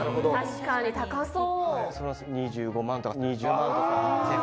確かに高そう。